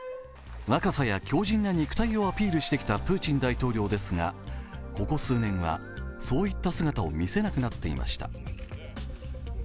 若さや強じんな肉体をアピールしてきたプーチン大統領ですがここ数年は、そういった姿を見せなくなっていました。